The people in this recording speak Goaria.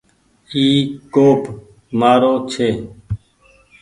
اي ڪوپ مآرو ڇي۔